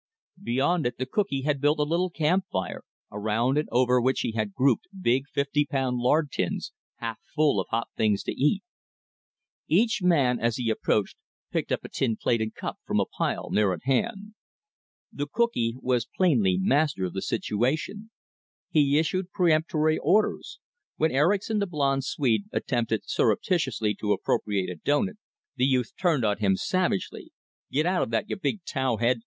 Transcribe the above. Beyond it the cookee had built a little camp fire, around and over which he had grouped big fifty pound lard tins, half full of hot things to eat. Each man, as he approached, picked up a tin plate and cup from a pile near at hand. The cookee was plainly master of the situation. He issued peremptory orders. When Erickson, the blonde Swede, attempted surreptitiously to appropriate a doughnut, the youth turned on him savagely. "Get out of that, you big tow head!"